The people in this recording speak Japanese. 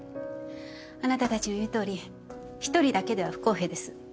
あなたたちの言うとおり一人だけでは不公平です。